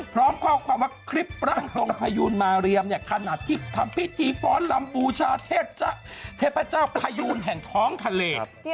พร้อมข้อความว่าคลิปร่างทรงพยูนมาเรียมเนี่ยขนาดที่ทำพิธีฟ้อนลำบูชาเทพเจ้าพยูนแห่งท้องทะเล